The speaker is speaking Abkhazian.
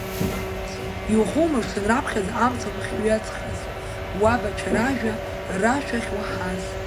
Иухоумыршҭын раԥхьаӡа амца уахьҩаҵхаз, уабацәа ражәа, рашәа ахьуаҳаз.